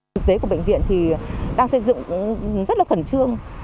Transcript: thực tế của bệnh viện thì đang xây dựng rất là khẩn trương